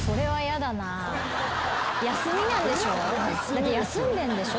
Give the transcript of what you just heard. だって休んでんでしょ